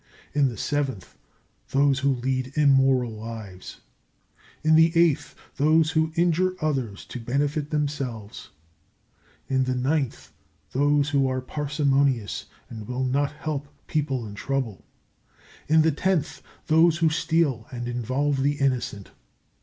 In the seventh, those who lead immoral lives. In the eighth, those who injure others to benefit themselves. In the ninth, those who are parsimonious and will not help people in trouble. In the tenth, those who steal and involve the innocent.